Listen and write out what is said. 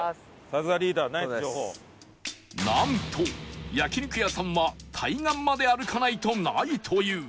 なんと焼肉屋さんは対岸まで歩かないとないという